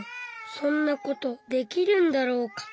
そんな事できるんだろうか？